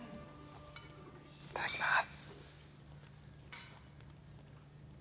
いただきます。